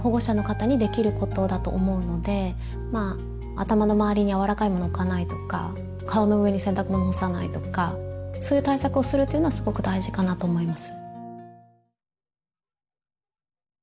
頭の周りにやわらかいものを置かないとか顔の上に洗濯物を干さないとかそういう対策をするというのはすごく大事かなと思います。